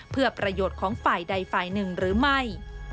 เพื่อประโยชน์ของฝ่ายใดฝ่ายหนึ่งหรือไม่